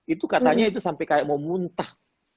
itu katanya itu sampai kayak mau muntah